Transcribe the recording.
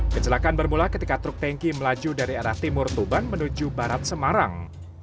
kecelakaan bermula ketika truk tanki melaju dari arah timur tuban menuju barat semarang